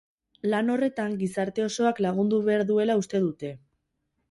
Lan horretan gizarte osoak lagundu behar duela uste dute.